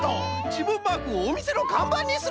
じぶんマークをおみせのかんばんにするとはな！